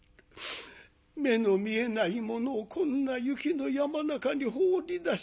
目の見えない者をこんな雪の山中に放り出す。